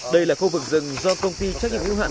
đây là khu vực rừng do công ty trách nhiệm hữu hạn